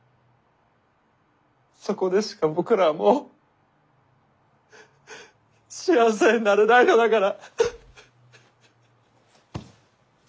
そこでしか僕らはもう幸せになれないのだから。